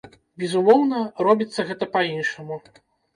Безумоўна, робіцца гэта па-іншаму.